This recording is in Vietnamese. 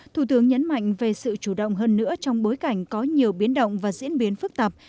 thủ tướng nhấn mạnh về sự chủ động hơn nữa trong bối cảnh có nhiều biến động và diễn biến phức tạp